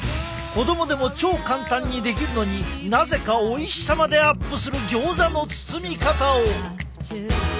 子供でも超簡単にできるのになぜかおいしさまでアップするギョーザの包み方を！